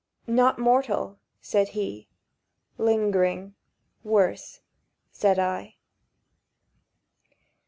—"Not mortal?" said he. "Lingering—worse," said I.